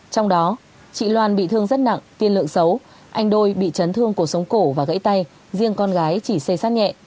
trong đó chị loan bị thương rất nặng tiên lượng xấu anh đôi bị chấn thương cuộc sống cổ và gãy tay riêng con gái chỉ xây sát nhẹ